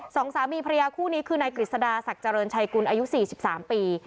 สองสามีภรรยาคู่นี้คือนายกฤษดาศักดิ์เจริญชัยกุลอายุ๔๓ปี